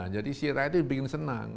jadi si rakyat itu dibikin senang